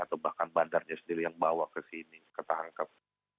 atau bahkan bandarnya sendiri yang bawa ke sini ketangkep